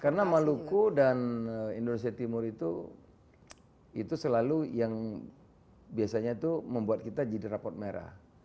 karena maluku dan indonesia timur itu selalu yang biasanya itu membuat kita jadi rapot merah